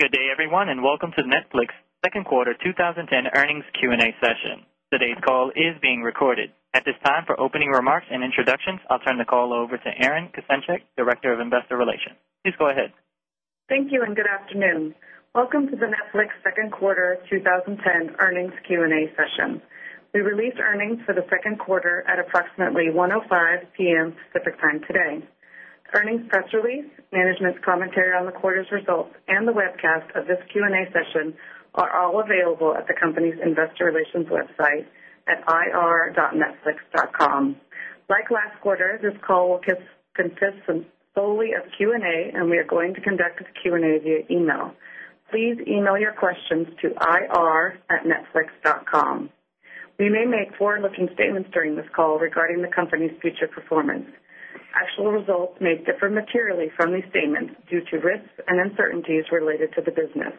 Good day, everyone, and welcome to Netflix Second Quarter 20 10 Earnings Q and A Session. Today's call is being recorded. At this time, for opening remarks and introductions, I'll turn the call over to Erin Kucenciek, Director of Investor Relations. Please go ahead. Thank you, and good afternoon. Welcome to the Netflix Q2 2010 earnings Q and A session. We released earnings for the Q2 at approximately 1:0:5 p. M. Pacific Time today. Earnings press release, management's commentary on the quarter's results and the webcast of this Q and A session are all available at the company's Investor Relations website at ir.netsix.com. Like last quarter, this call will consist solely of Q and A and we are going to conduct a Q and A via e mail. Please e mail your questions to irnetflix.com. We may make forward looking statements during this call regarding the company's future performance. Actual results may differ materially from these statements due to risks and uncertainties related to the business.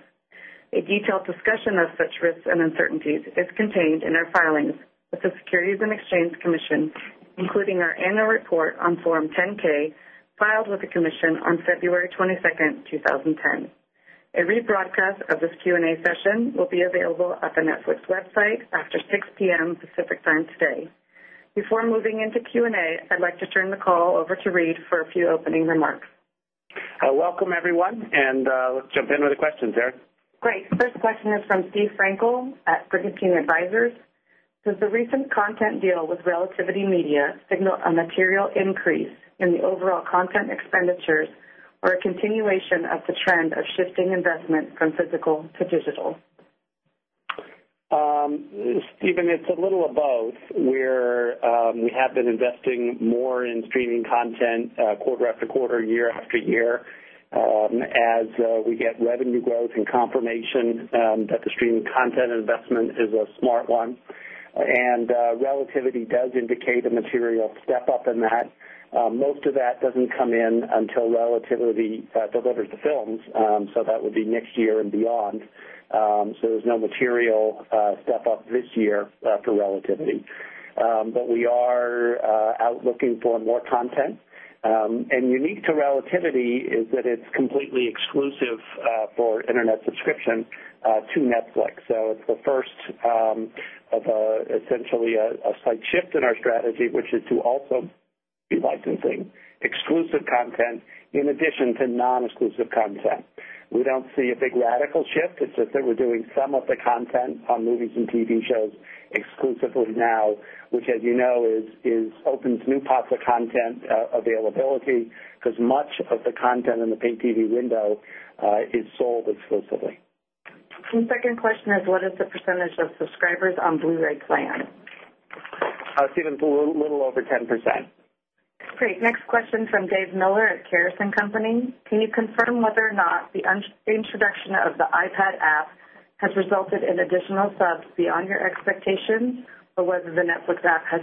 A detailed discussion of such risks and uncertainties is contained in our filings with the Securities and Exchange Commission, including our annual report on Form 10 ks filed with the commission on February 22, 2010. A rebroadcast of this Q and A session will be available at the Netflix website after 6 p. M. Pacific Time today. Before moving into Q and A, I'd like to turn the call over to Reed for a few opening remarks. Welcome, everyone, and let's jump in with the questions, Eric. Great. First question is from Steve Frankel at Brick and Pain Advisors. Does the recent content deal with Relativity Media signal a material increase in the overall content expenditures or a continuation of the trend of shifting investment from physical to digital? Stephen, it's a little of both. We have been investing more in streaming content quarter after quarter, year after year as we get revenue growth and confirmation that the streaming content investment is a smart one. And Relativity does indicate a material step up in that. Most of that doesn't come in until Relativity delivers the films, so that would be next year and beyond. So there's no material step up this year for Relativity. But we are out looking for more content. And unique to Relativity is that it's completely exclusive for Internet subscription to Netflix. So it's the first of essentially a slight shift in our strategy, which is to also be licensing exclusive content in addition to non exclusive content. We don't see a big radical shift. It's just that we're doing some of the content on movies and TV shows exclusively now, which as you know is opens new parts of content availability, because much of the content in the pay TV window is sold exclusively. And second question is what is the percentage of subscribers on Blu ray plan? Stephen, a little over 10%. Great. Next question from Dave Miller at Cars and Company. Can you confirm whether or not the introduction of the iPad app has resulted in additional subs beyond your expectations or whether the Netflix app has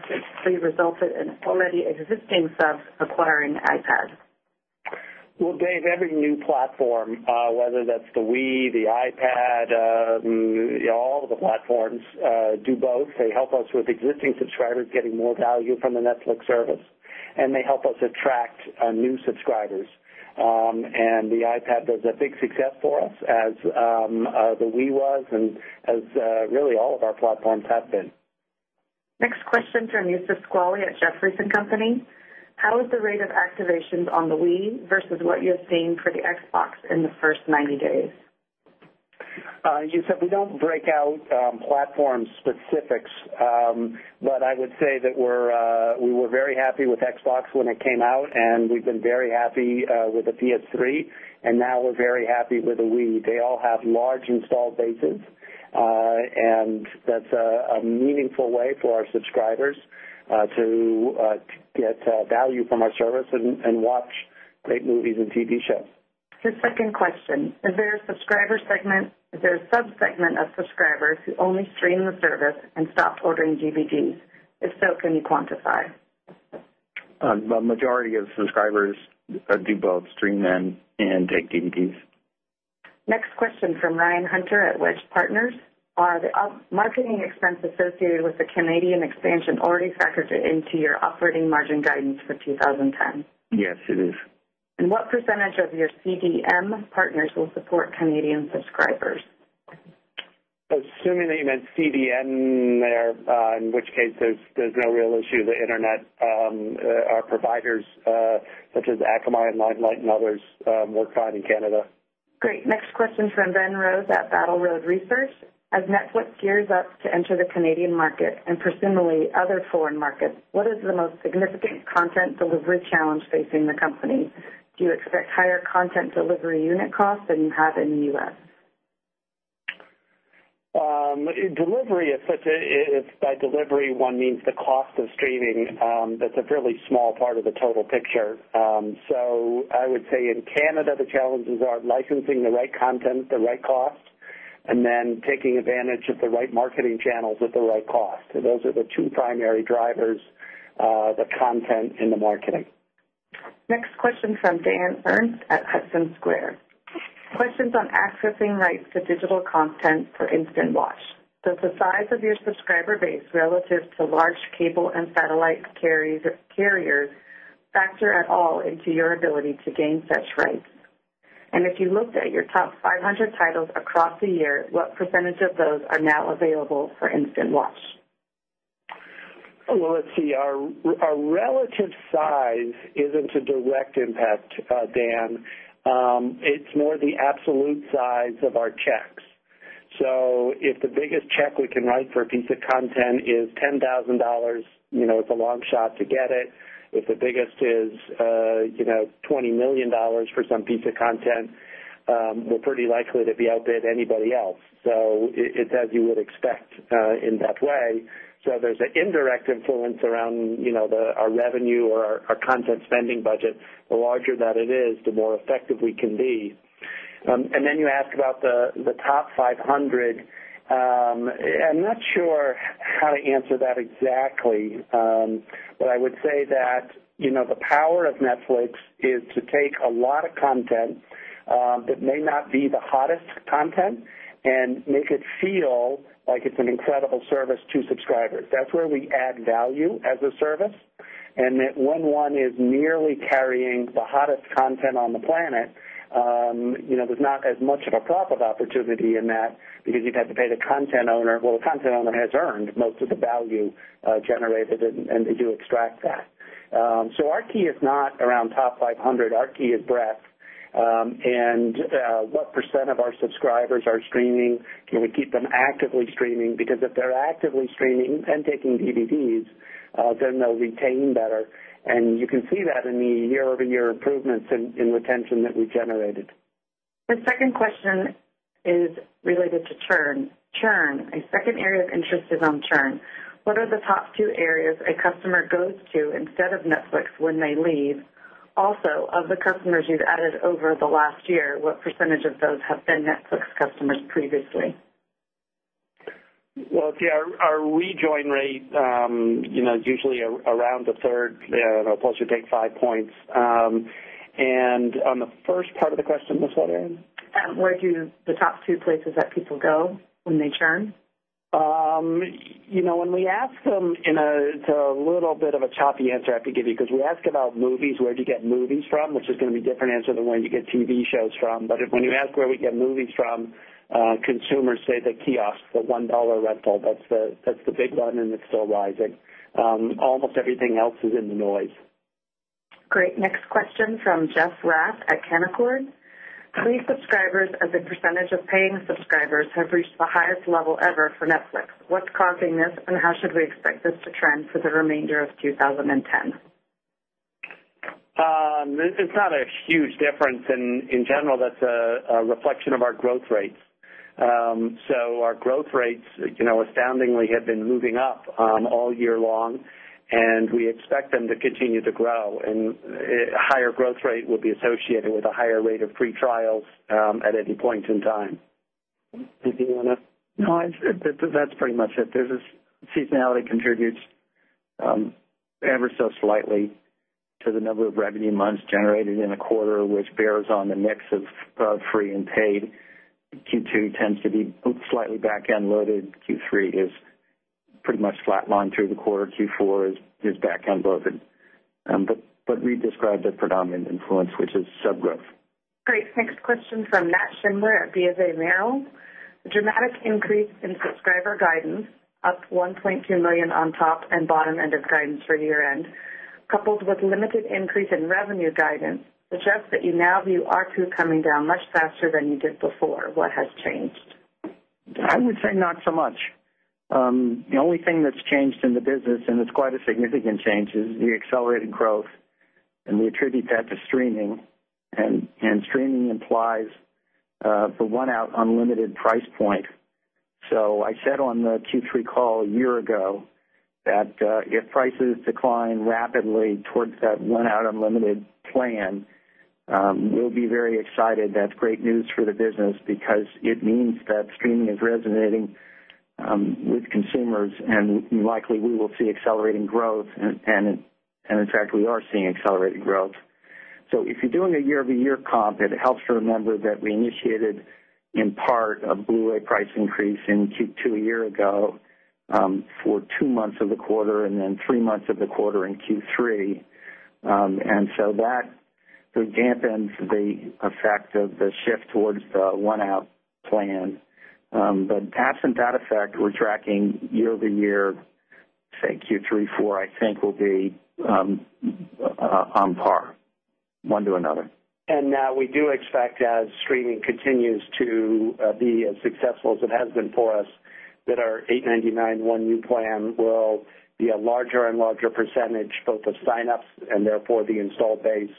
resulted in already existing subs acquiring iPad? Well, Dave, every new platform, whether that's the Wii, the iPad, all of the platforms, do both. They help us with existing subscribers getting more value from the Netflix service, and they help us attract new subscribers. And the iPad was a big success for us as the We was and as really all of our platforms have been. Next question from you, Sasquale at Jefferies and Company. How is the rate of activations on the Wii versus what you're seeing for the Xbox in the 1st 90 days? As you said, we don't break out platform specifics, but I would say that we were very happy with Xbox when it came out and we've been very happy with the PS3 and now we're very happy with the Wii. They all have large installed bases and that's a meaningful way for our subscribers to get value from our service and watch great movies and TV shows. The second question, is there a subscriber segment is there a sub segment of subscribers who only stream the service and stop ordering GBGs? If so, can you quantify? The majority of subscribers do both stream then and take DVDs. Next question from Ryan Hunter at Wedge Partners. Are the marketing expense associated with the Canadian expansion already factored into your operating margin guidance for 2010? Yes, it is. And what percentage of your CDM partners will support Canadian subscribers? Assuming that you meant CDM there, in which case there's no real issue, the Internet, our providers such as Akamai and Lightlight and others work fine in Canada. Great. Next question from Ben Rose at Battle Road Research. As Netflix gears up to enter the Canadian market and presumably other foreign markets, what is the most significant content delivery challenge facing the company? Do you expect higher content delivery unit costs than you have in the U. S? Delivery, if by delivery, one means the cost of streaming, that's a fairly small part of the total picture. So I would say in Canada, the challenges are licensing the right content, the right cost and then taking advantage of the right marketing channels at the right cost. And those are the 2 primary drivers, the content in the marketing. Next question from Dan Ernst at Hudson Square. Questions on accessing rights to digital content for Instant Watch. Does the size of your subscriber base relative to large cable and satellite carriers factor at all into your ability to gain such rights? And if you looked at your top 500 titles across the year, what percentage of those are now available for Instant Watch? Well, let's see. Our relative size isn't a direct impact, Dan. It's more the absolute size of our checks. So if the biggest check we can write for a piece of content is $10,000 it's a long shot to get it. If the biggest is $20,000,000 for some piece of content, we're pretty likely to be outbid anybody else. So it's as you would expect in that way. So there's an indirect influence around our revenue or our content spending budget. The larger that it is, the more effective we can be. And then you asked about the top 500. I'm not sure how to answer that exactly. But I would say that the power of Netflix is to take a lot of content that may not be the hottest content and make it feel like it's an incredible service to subscribers. That's where we add value as a service. And that 1.1 is merely carrying the hottest content on the planet. There's not as much of a profit opportunity in that because you've had to pay the content owner. Well, the content owner has earned most of the value generated and they do extract that. So our key is not around top 500, our key is breadth. And what percent of our subscribers are streaming, we keep them actively streaming because if they're actively streaming and taking DVDs, then they'll retain better. And you can see that in the year over year improvements in retention that we generated. The second question is related to churn. Churn, a second area of interest is on churn. What are the top two areas a customer goes to instead of Netflix when they leave? Also of the customers you've added over the last year, what percentage of those have been Netflix customers previously? Well, our rejoin rate is usually around the third, I'll also take 5 points. And on the first part of the question, miss Wadda? Where do you the top two places that people go when they churn? When we ask them in a little bit of a choppy answer I could give you, because we ask about movies, where do you get movies from, which is going to be different answer than when you get TV shows from. But when you ask where we get movies from, consumers say the kiosks, the $1 rental, that's the big one and it's still rising. Almost everything else is in the noise. Great. Next question from Jeff Raff at Canaccord. Free subscribers as a percentage of paying subscribers have reached the highest level ever for Netflix. What's causing this? And how should we expect this to trend for the remainder of 2010? It's not a huge difference. And in general, that's a reflection of our growth rates. So our growth rates astoundingly have been moving up all year long, and we expect them to continue to grow. And higher growth rate will be associated with a higher rate of pretrials at any point in time. No, that's pretty much it. There's a seasonality contributes ever so slightly to the number of revenue months generated in the quarter, which bears on the mix of free and paid. Q2 tends to be slightly back end loaded. Q3 is pretty much flat line through the quarter. Q4 is back end loaded. But we describe the predominant influence, which is sub growth. Great. Next question from Nat Schindler at BofA Merrill. A dramatic increase in subscriber guidance, up $1,200,000 on top and bottom end of guidance for year end, coupled with limited increase in revenue guidance, suggests that you now view R2 coming down much faster than you did before. What has changed? I would say not so much. The only thing that's changed in the business and it's quite a significant change is the accelerated growth and we attribute that to streaming. And streaming implies, the one out unlimited price point. So I said on the Q3 call a year ago that if prices decline rapidly towards that one out unlimited plan, we'll be very excited. That's great news for the business because it means that streaming is resonating with consumers and likely we will see accelerating growth. And in fact, we are seeing accelerated growth. So if you're doing a year over year comp, it helps to remember that we initiated in part a Blu ray price increase in Q2 a year ago, for 2 months of the quarter and then 3 months of the quarter in Q3. And so that dampens the effect of the shift towards the one out plan. But absent that effect, we're tracking year over year, say, Q3, Q4, I think, will be on par, one to another. And now we do expect as streaming continues to be as successful as it has been for us that our 8991 new plan will be a larger and larger percentage, both of sign ups and therefore the installed base.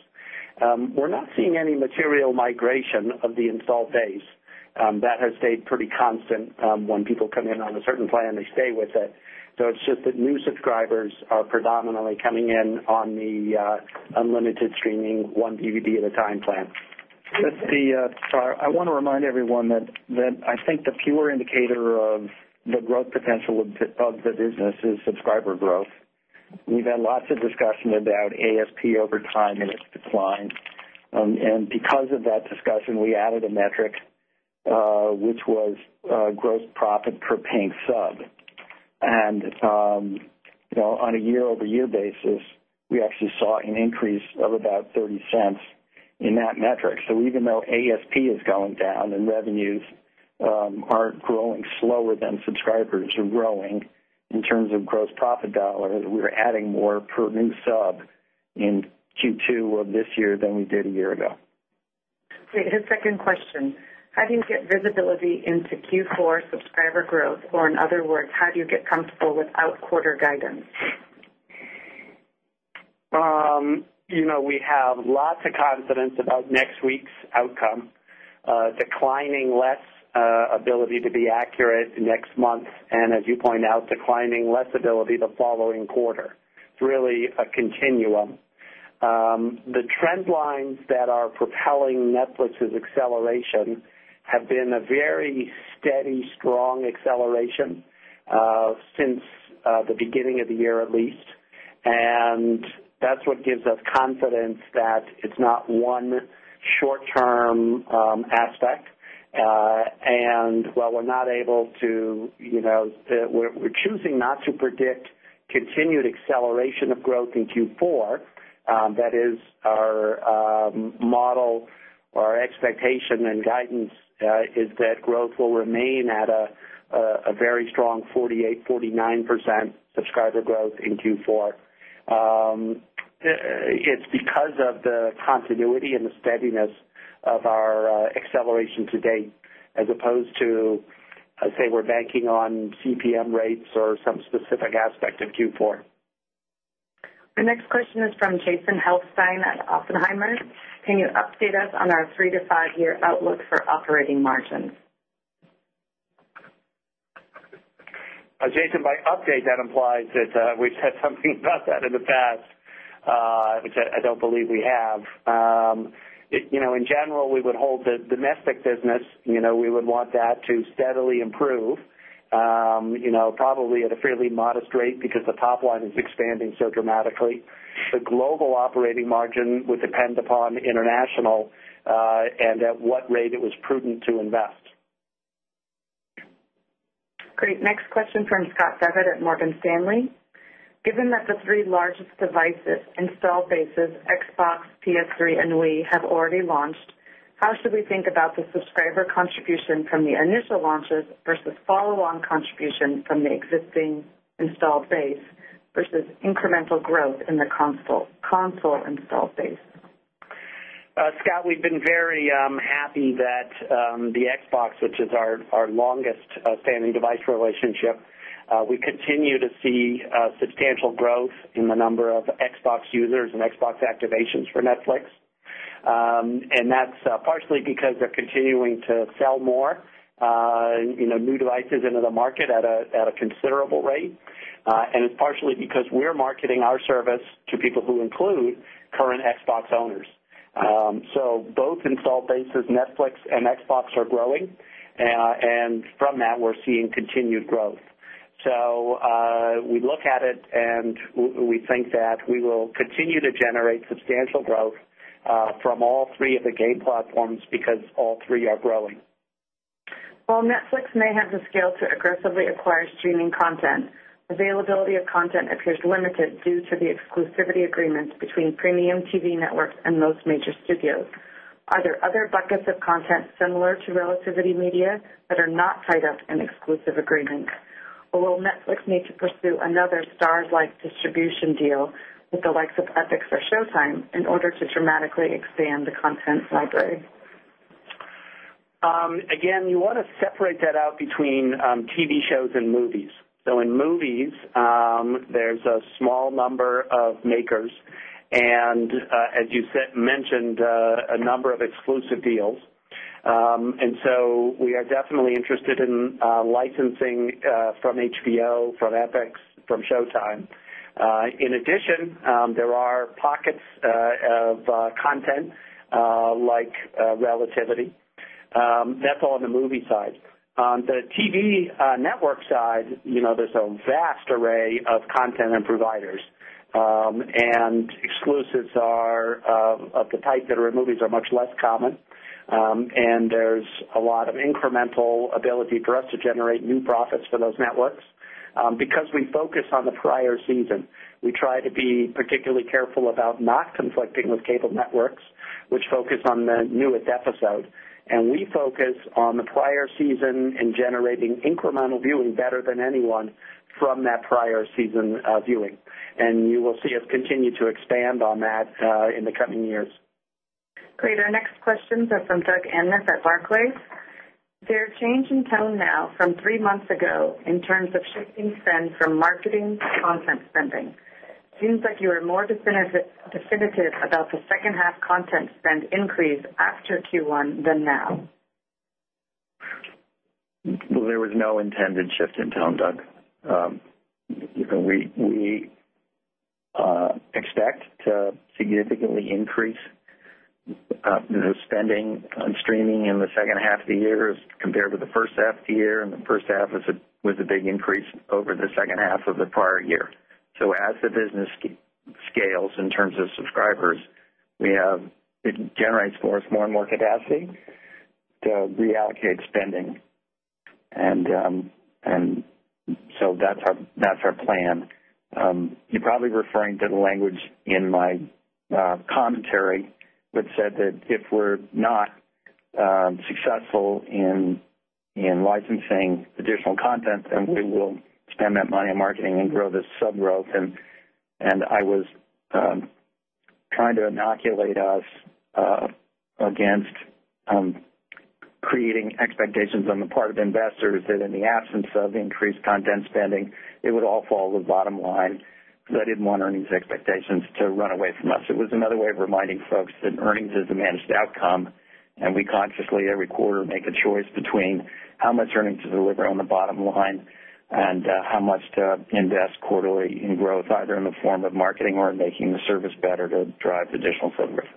We're not seeing any material migration of the installed base. That has stayed pretty constant. When people come in on a certain plan, they stay with it. So it's just that new subscribers are predominantly coming in on the unlimited streaming, one DVD at a time plan. I want to remind everyone that I think the pure indicator of the growth potential of the business is subscriber growth. We've had lots of discussion about ASP over time and it's declined. And because of that discussion, we added a metric, which was gross profit per paint sub. And on a year over year basis, we actually saw an increase of about $0.30 in that metric. So even though ASP is going down and revenues aren't growing slower than subscribers are growing in terms of gross profit dollars. We're adding more per new sub in Q2 of this year than we did a year ago. Great. His second question. How do you get visibility into Q4 subscriber growth? Or in other words, how do you get comfortable without quarter guidance? We have lots of confidence about next week's outcome, declining less ability to be accurate next month and as you point out, declining less ability the following quarter. It's really a continuum. The trend lines that are propelling Netflix's acceleration have been a very steady strong acceleration since the beginning of the year at least. And that's what gives us confidence that it's not one short term aspect. And while we're not able to we're choosing not to predict continued acceleration of growth in Q4. That is our model, our expectation and guidance is that growth will remain at a very strong 48%, 49% subscriber growth in Q4. It's because of the continuity and the steadiness of our acceleration to date as opposed to, I'd say, we're banking on CPM rates or some specific aspect of Q4. The next question is from Jason Helfstein at Oppenheimer. Can you update us on our 3 to 5 year outlook for operating margins? Jason, by update that implies that we've said something about that in the past, which I don't believe we have. In general, we would hold the domestic business, we would want that to steadily improve, probably at a fairly modest rate because the top line is expanding so dramatically. The global operating margin would depend upon international and at what rate it was prudent to invest. Great. Next question from Scott Bevitt at Morgan Stanley. Given that the 3 largest devices installed bases, Xbox, PS3 and Wii have already launched, how should we think about the subscriber contribution from the initial launches versus follow on contribution from the existing installed base versus incremental growth in the console installed base? Scott, we've been very happy that the Xbox, which is our longest standing device relationship, we continue to see substantial growth in the number of Xbox users and Xbox activations for Netflix. And that's partially because they're continuing to sell more new devices into the market at a considerable rate. And it's partially because we're marketing our service to people who include current Xbox owners. So both installed bases, Netflix and Xbox are growing. And from that, we're seeing continued growth. So we look at it and we think that we will continue to generate substantial growth from all 3 of the game platforms because all 3 are growing. While Netflix may have the scale to aggressively acquire streaming content, availability of content appears limited due to the exclusivity agreements between premium TV networks and most major studios. Are there other buckets of content similar to Relativity Media that are not tied up in exclusive agreements? Netflix need to pursue another Starz like distribution deal with the likes of Epics or Showtime in order to dramatically expand the content library? Again, you want to separate that out between TV shows and movies. So in movies, there's a small number of makers. And as you mentioned, a number of exclusive deals. And so we are definitely interested in licensing from HBO, from FX, from Showtime. In addition, there are pockets of content like relativity. That's all in the movie side. On the TV network side, there's a vast array of content and providers And exclusives are of the type that are movies are much less common. And there's a lot of incremental ability for us to generate new profits for those networks. Because we focus on the prior season, We try to be particularly careful about not conflicting with cable networks, which focus on the newest episode. And we focus on the prior season and generating incremental viewing better than anyone from that prior season viewing. And you will see us continue to expand on that in the coming years. Great. Our next questions are from Doug Anness at Barclays. Their change in tone now from 3 months ago in terms of shifting spend from marketing to content spending, Seems like you are more definitive about the second half content spend increase after Q1 than now. There was no intended shift in tone, Doug. We expect to significantly increase the spending on streaming in the second half of the year as compared to the first half of the year, and the first half was a big increase over the second half of the prior year. So as the business scales in terms of subscribers, we have it generates for us more and more capacity to reallocate spending. And so that's our plan. You're probably referring to the language in my commentary, but said that if we're not successful in licensing additional content, then we will spend that money on marketing and grow this sub growth. And I was trying to inoculate us against creating expectations on the part of investors that in the absence of increased content spending, it would all fall to the bottom line. They didn't want earnings expectations to run away from us. It was another way of reminding folks that earnings is a managed outcome, and we consciously every quarter make a choice between how much earnings to deliver on the bottom line and how much to invest quarterly in growth, either in the form of marketing or making the service better to drive additional service.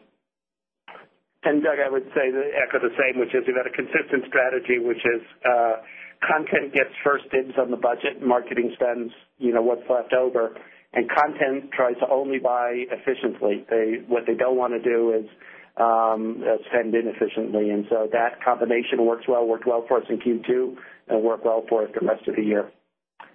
And Doug, I would say echo the same, which is you've got a consistent strategy, which is content gets first dibs on the budget, marketing spends what's left over and content tries to only buy efficiently. What they don't want to do is spend in efficiently. And so that combination works well, worked well for us in Q2 and worked well for us for the rest of the year.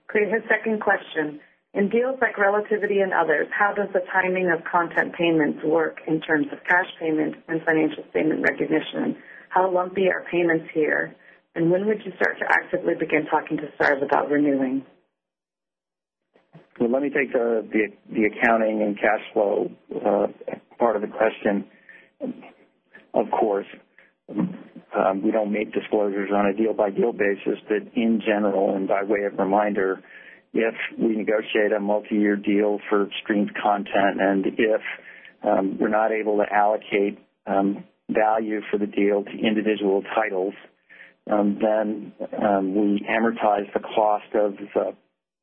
Great. And second question, in deals like Relativity and others, how does the timing of content payments work in terms of cash payments and financial statement recognition? How lumpy are payments here? And when would you start to actively begin talking to SIRs about renewing? Let me take the accounting and cash flow part of the question. Of course, we don't make disclosures on a deal by deal basis. But in general and by way of reminder, if we negotiate a multiyear deal for streamed content and if we're not able to allocate value for the deal to individual titles, then we amortize the cost of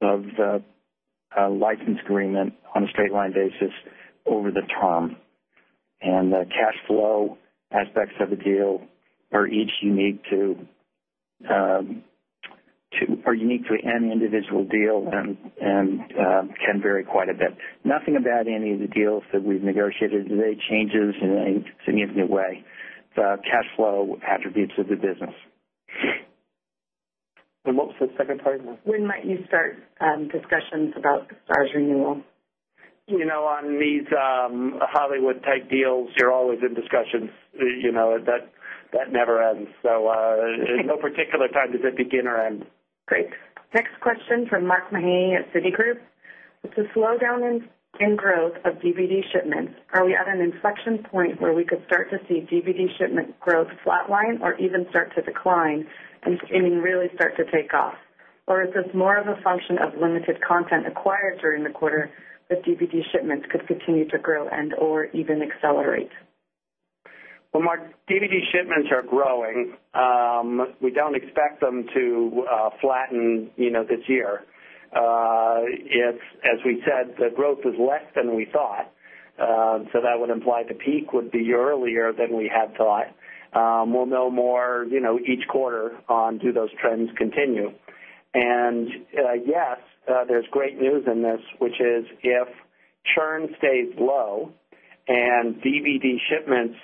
the license agreement on a straight line basis over the term. And the cash flow aspects of the deal are each unique to or unique to any individual deal and can vary quite a bit. Nothing about any of the deals that we've negotiated today changes in a significant way. The cash flow attributes of the business. And what was the second part, ma'am? When might you start discussions about Starz renewal? On these Hollywood type deals, you're always in discussions. That never ends. So no particular time does it begin or end. Great. Next question from Mark Mahaney at Citigroup. With the slowdown in growth of DVD shipments, are we at an inflection point where we could start to see DVD shipment growth flat line or even start to decline and streaming really start to take off? Or is this more of a function of limited content acquired during the quarter that DVD shipments could continue to grow and or even accelerate? Well, Mark, DVD shipments are growing. We don't expect them to flatten this year. As we said, the growth is less than we thought. So that would imply the peak would be earlier than we had thought. We'll know more each quarter on do those trends continue. And yes, there's great news in this, which is if churn stays low and DVD shipments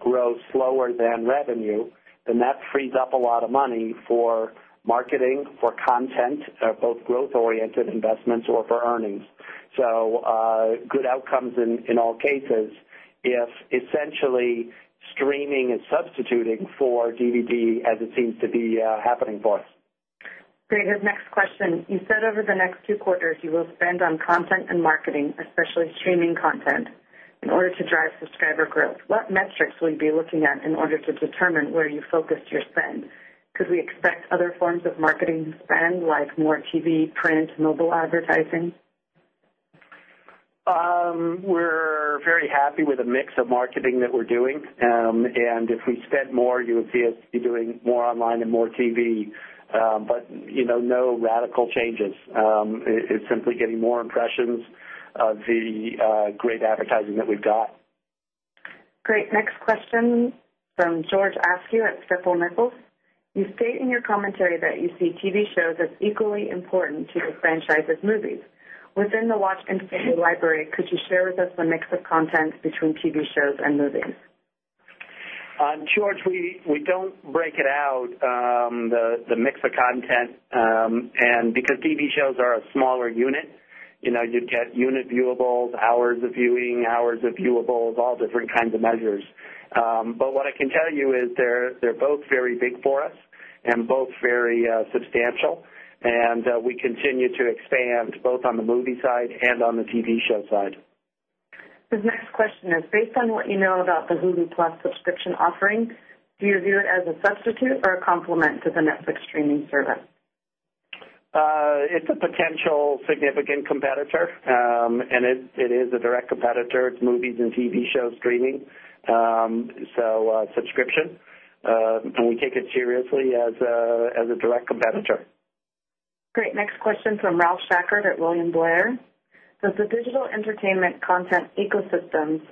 grow slower than revenue, then that frees up a lot of money for marketing, for content, both growth oriented investments or for earnings. So good outcomes in all cases, if essentially streaming and substituting for DVD as it seems to be happening for us. Great. Next question. You said over the next two quarters, you will spend on content and marketing, especially streaming content in order to drive subscriber growth. What metrics will you be looking at in order to determine where you focus your spend? Could we expect other forms of marketing spend like more TV, print, mobile advertising? We're very happy with the mix of marketing that we're doing. And if we spend more, you would see us be doing more online and more TV, but no radical changes. It's simply getting more impressions of the great advertising that we've got. Great. Next question from George Askew at Stifel Nichols. You state in your commentary that you see TV shows as equally important to your franchise's movies. Within the Watch Entertainment library, could you share with us the mix of content between TV shows and movies? George, we don't break it out, the mix of content, and because TV shows are a smaller unit, you'd get unit viewables, hours of viewing, hours of viewables, all different kinds of measures. But what I can tell you is they're both very big for us and both very substantial. And we continue to expand both on the movie side and on the TV show side. The next question is based on what you know about the Hulu plus subscription offering, do you view it as a substitute or a complement to the Netflix streaming service? It's a potential significant competitor, and it is a direct competitor. It's movies and TV show streaming, So subscription, and we take it seriously as a direct competitor. Great. Next question from Ralph Schackart at William Blair. Does the digital entertainment content ecosystem's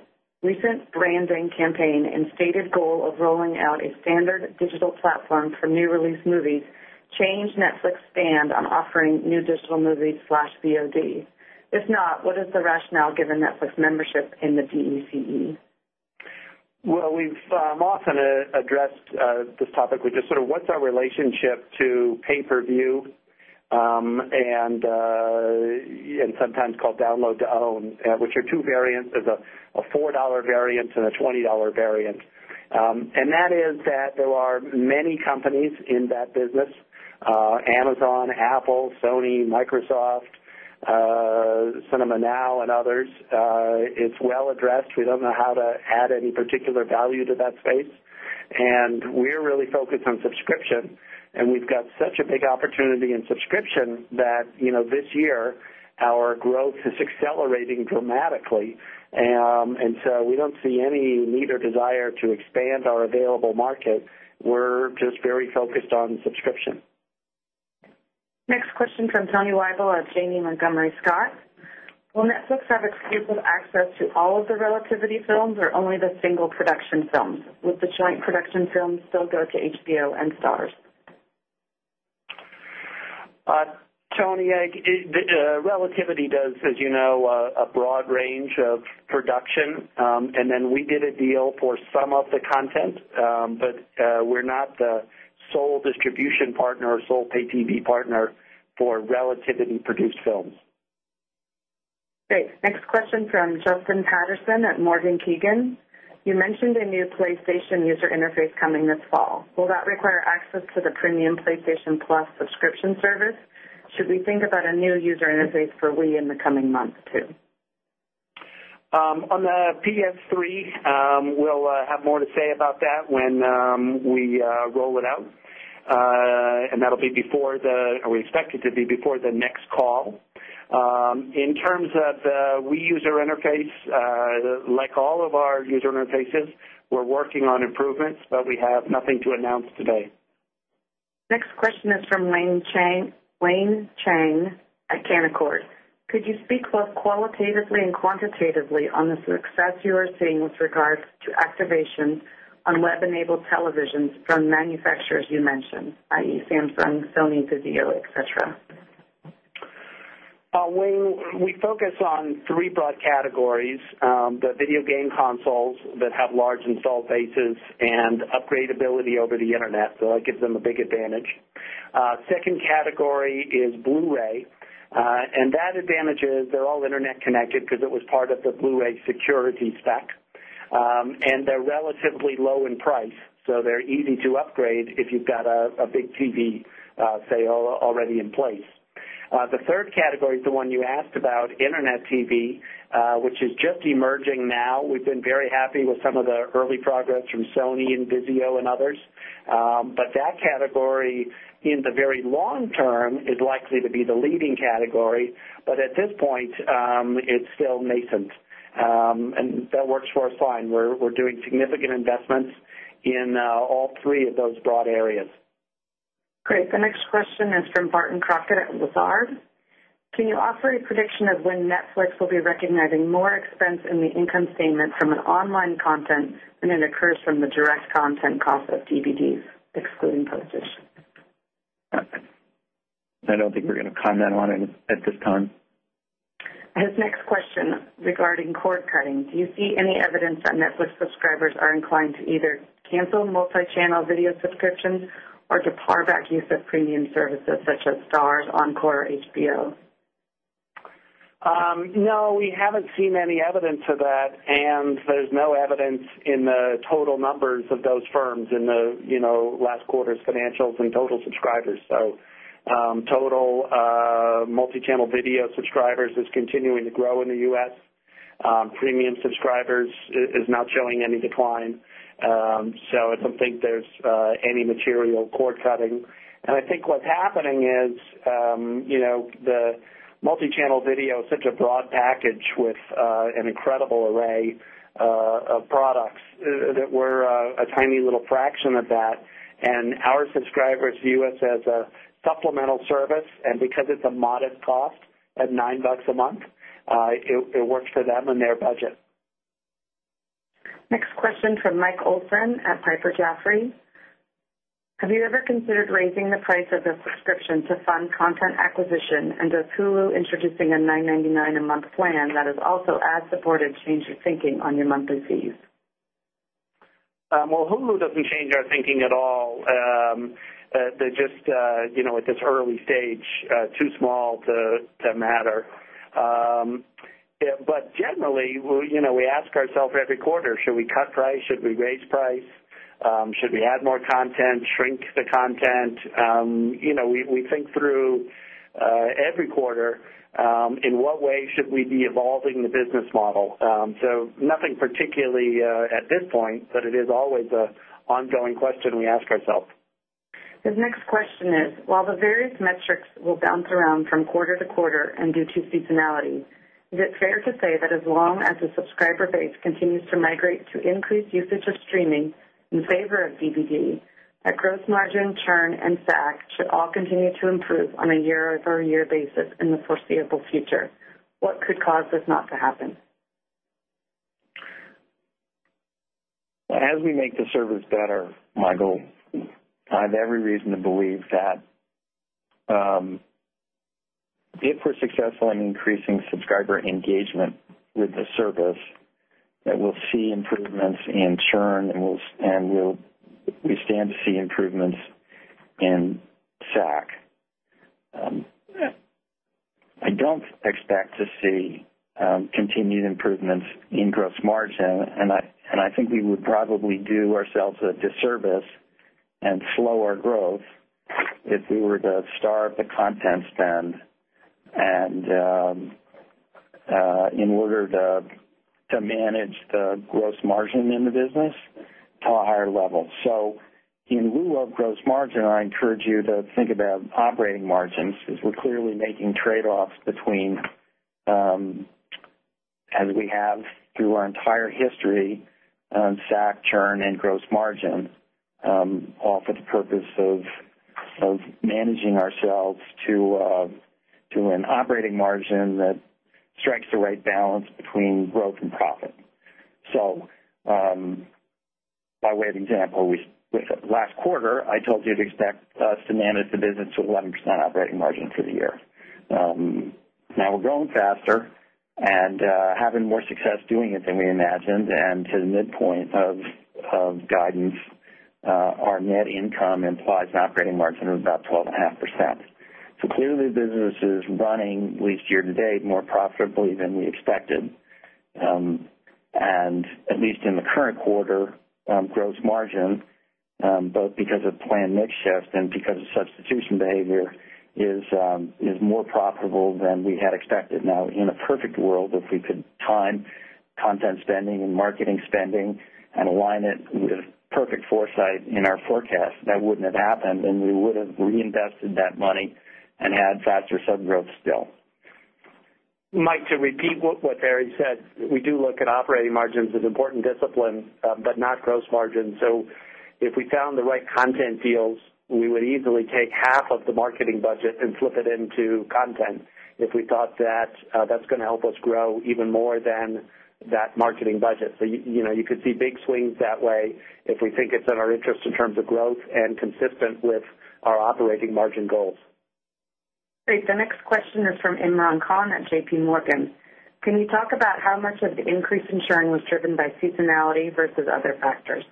recent branding campaign and stated goal of rolling out a standard digital platform for new release movies changed Netflix stand on offering new digital moviesVOD? If not, what is the rationale given Netflix membership in the DUCE? Well, we've often addressed this topic with just sort of what's our relationship to pay per view and sometimes called download to own, which are 2 variants of a $4 variant and a $20 variant. And that is that there are many companies in that business, Amazon, Apple, Sony, Microsoft, cinema now and others. It's well addressed. We don't know how to add any particular value to that space. And we are really focused on subscription and we've got such a big opportunity in subscription that this year, our growth is accelerating dramatically. And so we don't see any neither desire to expand our available market. We're just very focused on subscription. Next question from Tony Weibel of Jamie Montgomery Scott. Will Netflix have exclusive access to all of the Relativity films or only the single production films? Would the joint production films still go to HBO and Starz? Tony, Relativity does, as you know, a broad range of production. And then we did a deal for some of the content, but we're not the sole distribution partner or Sole Pay TV partner for relativity produced films. Great. Next question from Justin Patterson at Morgan Kiegan. You mentioned a new PlayStation user interface coming this fall. Will that require access to the premium PlayStation Plus subscription service? Should we think about a new user interface for Wii in the coming months too? On the PS3, we'll have more to say about that when we roll it out. And that will be before the or we expect it to be before the next call. In terms of the we use our interface, like all of our user interfaces, we're working on improvements, but we have nothing to announce today. Next question is from Wayne Chang at Canaccord. Could you speak both qualitatively and quantitatively on the success you are seeing with regards to activation on web enabled televisions from manufacturers you mentioned, I. E. Samsung, Sony, Physio, etcetera? We focus on 3 broad categories, the video game consoles that have large installed bases and upgradability over the Internet. So that gives them a big advantage. 2nd category is Blu Ray and that advantage is they're all Internet connected because it was part of the Blu ray security spec. And they're relatively low in price. So they're easy to upgrade if you've got a big TV sale already in place. The 3rd category is the one you asked about, Internet TV, which is just emerging now. We've been very happy with some of the early progress from Sony and VIZIO and others. But that category in the very long term is likely to be the leading category. But at this point, it's still nascent. And that works for us fine. We're doing significant investments in all three of those broad areas. Great. The next question is from Barton Crockett at Lazard. Can you offer a prediction of when Netflix will be recognizing more expense in the income statement from an online content than it occurs from the direct content cost of DVDs, excluding postage? I don't think we're going to comment on it at this time. His next question regarding cord cutting. Do you see any evidence that Netflix subscribers are inclined to either cancel multichannel video subscriptions or to par back use of premium services such as Starz, Encore or HBO? No, we haven't seen any evidence of that, and there's no evidence in the total numbers of those firms in the last quarter's financials and total subscribers. So, total multichannel video subscribers is continuing to grow in the U. S. Premium subscribers is not showing any decline. So, I don't think there's any material cord cutting. And I think what's happening is the multichannel video is such a broad package with an incredible array of products that were a tiny little fraction of that. And our subscribers view us as a supplemental service and because it's a modest cost at $9 a month, it works for them and their budget. Next question from Mike Olson at Piper Jaffray. Have you ever considered raising the price of the subscription to fund content acquisition? And does Hulu introducing a $9.99 a month plan that has also ad supported changed your thinking on your monthly fees? Well, Hulu doesn't change our thinking at all. They're just at this early stage, too small to matter. But generally, we ask ourselves every quarter, should we cut price, should we raise price, should we add more content, shrink the content. We think through every quarter in what way should we be evolving the business model. So nothing particularly at this point, but it is always an ongoing question we ask ourselves. The next question is, while the various metrics will bounce around from quarter to quarter and due to seasonality, is it fair to say that as long as the subscriber base continues to migrate to increased usage of streaming in favor of DVD, our gross margin churn and SAC should all continue to improve on a year over year basis in the foreseeable future. What could cause this not to happen? As we make the servers better, Michael, I have every reason to believe that if we're successful in increasing subscriber engagement with the service that we'll see improvements in churn and we stand to see improvements in Sac. I don't expect to see continued improvements in gross margin. And I think we would probably do ourselves a disservice and slower growth if we were to start the content spend and in order to manage the gross margin in the business to a higher level. So in lieu of gross margin, I encourage you to think about operating margins as we're clearly making trade offs between as we have through our entire history, on SAC churn and gross margin, all for the purpose of managing ourselves to an operating margin that strikes the right balance between growth and profit. So by way of example, last quarter, I told you to expect us to manage the business to 11% operating margin for the year. Now we're growing faster and having more success doing it than we imagined. And to the midpoint of guidance, our net income implies an operating margin of about 12.5%. So clearly, the business is running at least year to date more profitably than we expected. And at least in the current quarter, gross margin, both because of planned mix shift and because of substitution behavior, is more profitable than we had expected. Now in a perfect world, if we could time content spending and marketing spending and align it with perfect foresight in our forecast, that wouldn't have happened and we would have reinvested that money and had faster sub growth still. Mike, to repeat what Barry said, we do look at operating margins as important discipline, but not gross margin. So if we found the right content deals, we would easily take half of the marketing budget and flip it into content, if we thought that that's going to help us grow even more than that marketing budget. So you could see big swings that way if we think it's in our interest in terms of growth and consistent with our operating margin goals. Great. The next question is from Imran Khan at JPMorgan. Can you talk about how much of the increase insuring was driven by seasonality versus other factors?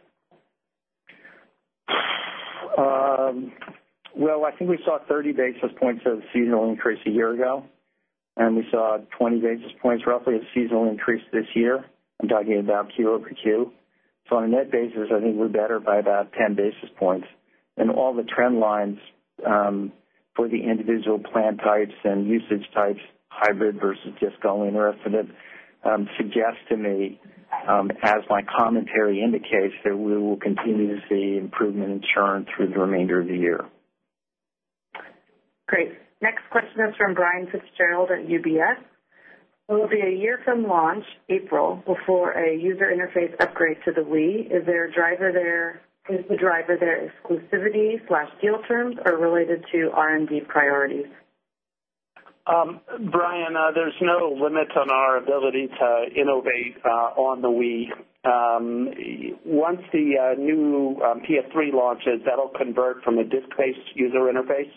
Well, I think we saw 30 basis points of seasonal increase a year ago, and we saw 20 basis points roughly of seasonal increase this year. I'm talking about Q over Q. So on a net basis, I think we're better by about 10 basis points. And all the trend lines for the individual plant types and usage types, hybrid versus just going or rest of it, suggests to me, as my commentary indicates that we will continue to see improvement in churn through the remainder of the year. Great. Next question is from Brian Fitzgerald at UBS. It will be a year from launch April before a user interface upgrade to the Wii. Is there a driver there exclusivitydeal terms are related to R and D priorities? Brian, there's no limit on our ability to innovate on the we. Once the new PS3 launches, that will convert from a disk based user interface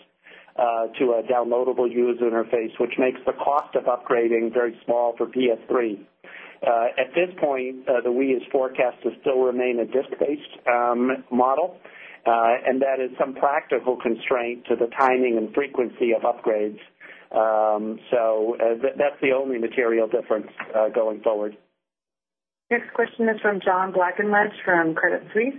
to a downloadable user interface, which makes the cost of upgrading very small for PS3. At this point, the Wii is forecast to still remain a disk based model and that is some practical constraint to the timing and frequency of upgrades. So that's the only material difference going forward. Next question is from John Blackledge from Credit Suisse.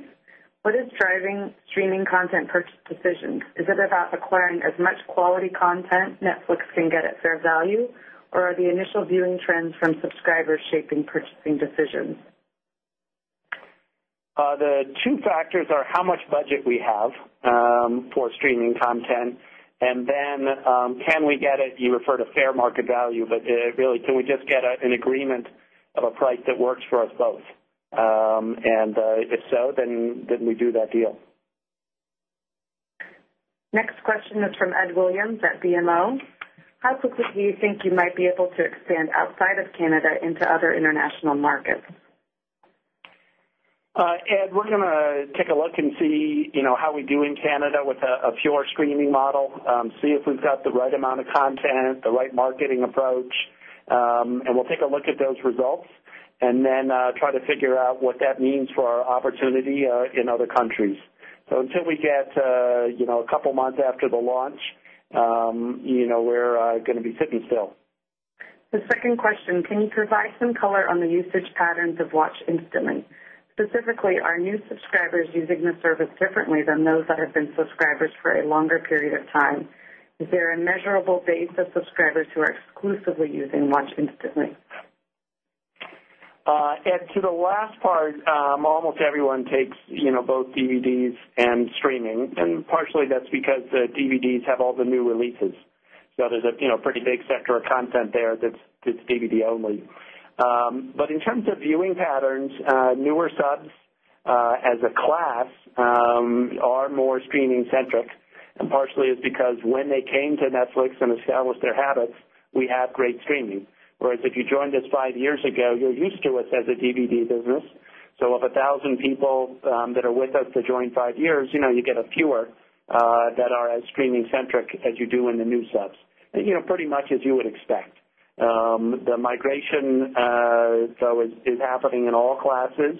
What is driving streaming content purchase decisions? Is it about acquiring as much quality content Netflix can get at fair value? Or are the initial viewing trends from The two factors are how much budget we have for streaming content and then can we get it you refer to fair market value, but really can we just get an agreement of a price that works for us both? And if so, then we do that deal. Next question is from Ed Williams at BMO. How quickly do you think you might be able to expand outside of Canada into other international markets? Ed, we're going to take a look and see how we do in Canada with a pure streaming model, see if we've got the right amount of content, the right marketing approach, and we'll take a look at those results and then try to we're going to be sitting still. The we're going to be sitting still. The second question, can you provide some color on the usage patterns of watch instantly? Specifically, are new subscribers using the service differently than those that have been subscribers for a longer period of time? Is there a measurable base of subscribers who are exclusively using Launch Instantly? And to the last part, almost everyone takes both DVDs and streaming and partially that's because the DVDs have all the new releases. So there's a pretty big sector of content there that's that's DVD only. But in terms of viewing patterns, newer subs as a class are more streaming centric. And partially it's because when they came to Netflix and established their habits, we have great streaming. Whereas if you joined us 5 years ago, you're used to us as a DVD business. So if 1,000 people that are with us to join 5 years, you get a fewer that are as streaming centric as you do in the new subs, pretty much as you would expect. The migration though is happening in all classes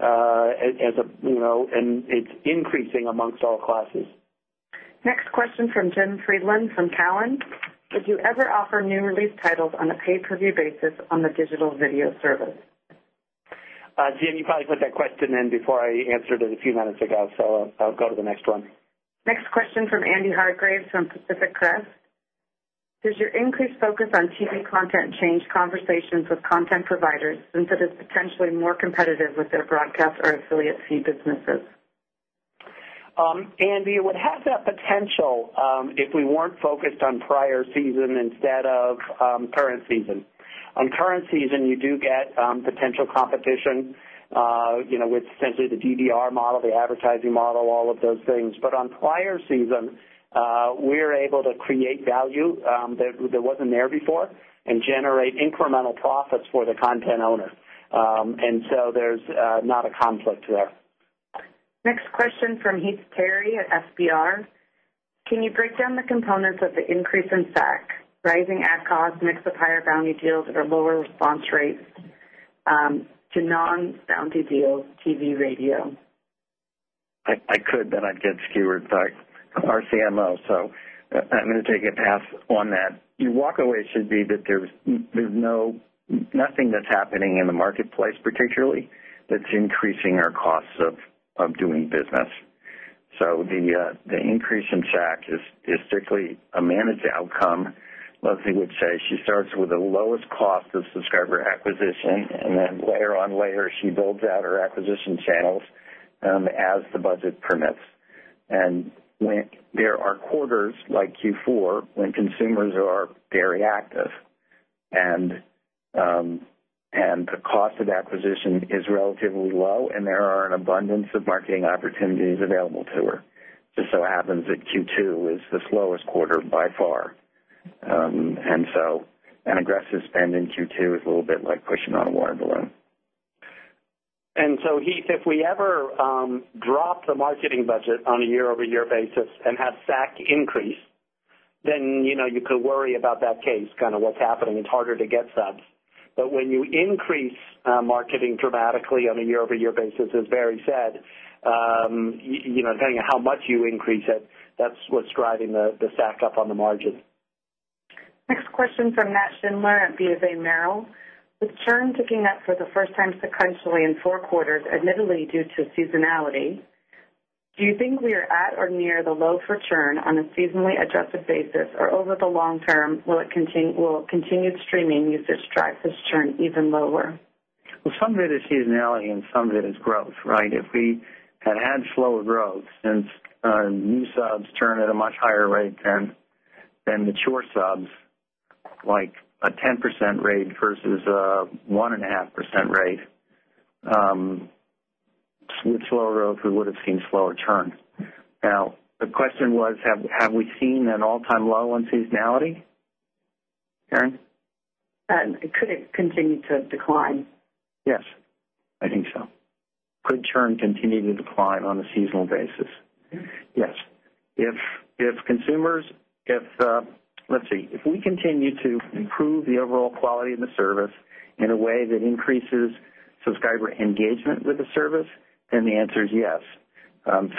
as a and it's increasing amongst all classes. Next question from Jim Friedland from Cowen. Did you ever offer new release titles on a pay per view basis on the digital video service? Jim, you probably put that question in before I answered it a few minutes ago. So I'll go to the next one. Next question from Andy Hargreaves from Pacific Crest. Does your increased focus on TV content change conversations with content providers since it is potentially more competitive with their broadcast or affiliate fee businesses? Andy, it would have that potential if we weren't focused on prior season instead of current season. On current season, you do get potential competition with essentially the DVR model, the advertising model, all of those things. But on prior season, we are able to create value that wasn't there before and generate incremental profits for the content owner. And so there's not a conflict there. Next question from Heath Terry at SBR. Can you break down the components of the increase in SAC, rising ad costs, mix of higher bounty deals or lower response rates, to non bounty deals, TV, radio? I could, then I'd get skewered, but I'm our CMO. So I'm going to take a pass on that. Your walk away should be that there's no nothing that's happening in the marketplace particularly that's increasing our costs of doing business. So the increase in SAC is strictly a managed outcome. Leslie would say she starts with the lowest cost of subscriber acquisition and then layer on layer, she builds out our acquisition channels, as the budget permits. And there are quarters like Q4 when consumers are very active And the cost of acquisition is relatively low, and there are an abundance of marketing opportunities available to her. Just so happens that Q2 is the slowest quarter by far. And so an aggressive spend in Q2 is a little bit like pushing on a wire below. And so Heath, if we ever drop the marketing budget on a year over year basis and have SAC increase, then you could worry about that case kind of what's happening. It's harder to get subs. But when you increase marketing dramatically on a year over year basis, as Barry said, depending on how much you increase it, that's what's driving the stack up on the margin. Next question from Matt Schindler at BofA Merrill. With churn picking up for the first time sequentially in 4 quarters admittedly due to seasonality, do you think we are at or near the low for churn on a seasonally adjusted basis? Or over the long term, will it continue will continued streaming usage drive this churn even lower? Well, some of it is seasonality and some of it is growth, right? If we had had slower growth since our new subs turn at a much higher rate than mature subs, like a 10% rate versus a 1.5% rate, With slower growth, we would have seen slower churn. Now the question was, have we seen an all time low on seasonality? Karen? Could it continue to decline? Yes, I think so. Could churn continue to decline on a seasonal basis? Yes. If consumers if let's see, if we continue to improve the overall quality of the service in a way that increases subscriber engagement with the service, then the answer is yes,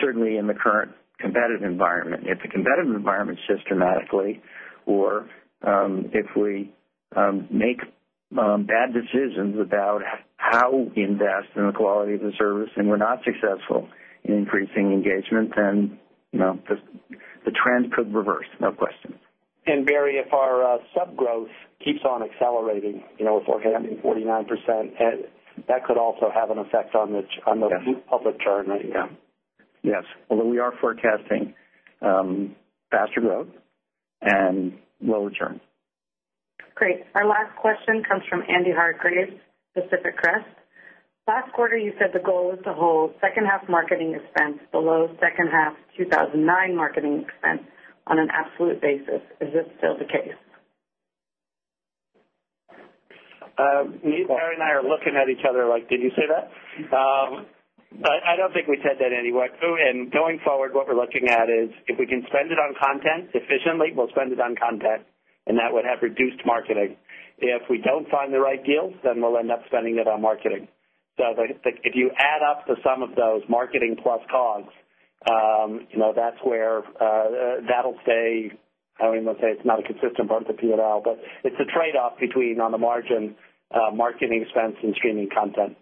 certainly in the current competitive environment. If the competitive environment systematically or if we make bad decisions about how invest in the quality of the service and we're not successful in increasing engagement, then the trend could reverse, no question. And Barry, if our sub growth keeps on accelerating, we're forecasting 49%, that could also have an effect on the public churn. Yes. Although we are forecasting faster growth and lower churn. Great. Our last question comes from Andy Hargreaves, Pacific Crest. Last quarter, you said the goal is to hold second half marketing expense below second half two thousand and nine marketing expense on an absolute basis. Is this still the case? Barry and I are looking at each other like, did you say that? I don't think we said that anyway. And going forward, what we're looking at is, if we can spend it on content efficiently, we'll spend it on content and that would have reduced marketing. If we don't find the right deals, then we'll end up spending it on marketing. So if you add up to some of those marketing plus COGS, that's where that will stay I mean, let's say, it's not a consistent part of the P and L, but it's a trade off between on the margin, marketing expense and streaming content.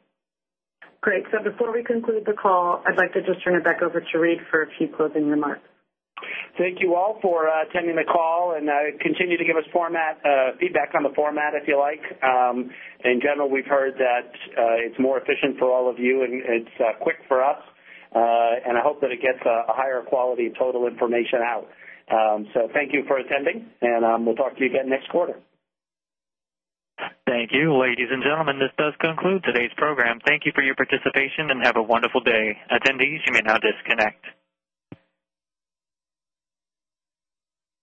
Great. So before we conclude the call, I'd like to just turn it back over to Reed for a few closing remarks. Thank you all for attending the call and continue to give us feedback on the format if you like. In general, we've heard that it's more efficient for all of you and it's quick for us. And I hope that it gets a higher quality of total information out. So thank you for attending and we'll talk to you again next quarter. Thank you. Ladies and gentlemen, this does conclude today's program. Thank you for your participation and have a wonderful day. Attendees, you may now disconnect.